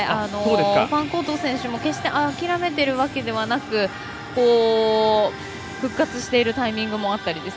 ファンコート選手も決して諦めているわけではなく復活しているタイミングもあったり。